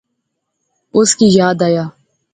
اس کی یاد آیا